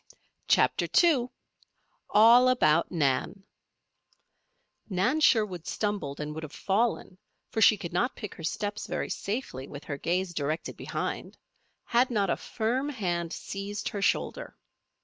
CHAPTER II ALL ABOUT NAN Nan Sherwood stumbled and would have fallen, for she could not pick her steps very safely with her gaze directed behind, had not a firm hand seized her shoulder.